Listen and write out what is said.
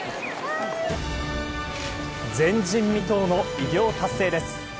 前人未踏の偉業達成です。